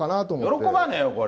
喜ばねえよ、これ。